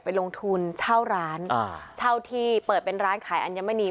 ลงทุนเช่าร้านอ่าเช่าที่เปิดเป็นร้านขายอัญมณี